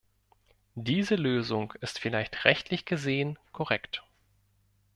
Diese Lösung ist vielleicht rechtlich gesehen korrekt.